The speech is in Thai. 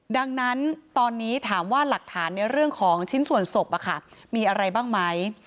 ดังนั้นตอนนี้ถามว่าหลักฐานในเรื่องของชิ้นส่วนศพมีอะไรบ้างไหม